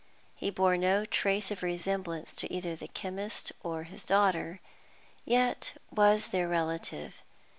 He bore no trace of resemblance to either the chemist or his daughter, yet was their relative.